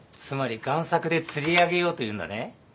つまり贋作で釣り上げようというんだね？